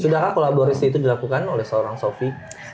sudahkah kolaborasi itu dilakukan oleh seorang sofi